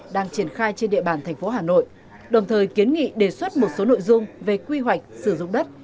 đang triển khai trên địa bàn thành phố hà nội đồng thời kiến nghị đề xuất một số nội dung về quy hoạch sử dụng đất